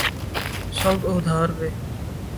سب ادھار پہ۔